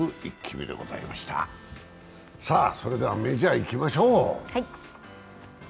それでは、メジャーいきましょう。